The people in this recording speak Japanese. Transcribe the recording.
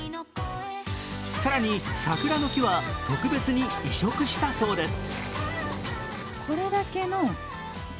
更に桜の木は特別に移植したそうです。